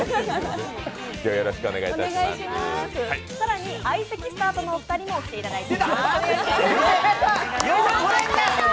更に相席スタートのお二人にも来ていただいています。